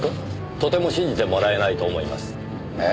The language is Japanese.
「とても信じてもらえないと思います」え？